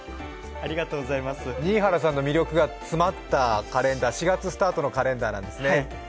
新原さんの魅力が詰まったカレンダー、４月スタートのカレンダーなんですね。